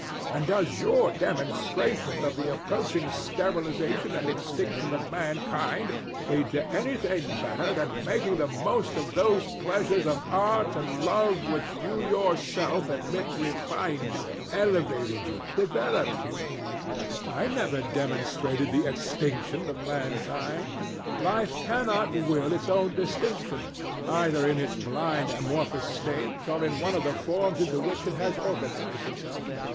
[To Don Juan] And does your demonstration of the approaching sterilization and extinction of mankind lead to anything better than making the most of those pleasures of art and love which you yourself admit refined you, elevated you, developed you? DON JUAN. I never demonstrated the extinction of mankind. Life cannot will its own extinction either in its blind amorphous state or in any of the forms into which it has organized itself.